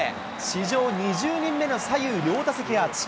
史上２０人目の左右両打席アーチ。